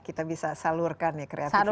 kita bisa salurkan kreativitas